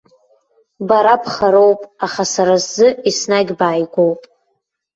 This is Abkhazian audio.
Бара бхароуп, аха сара сзы еснагь бааигәоуп.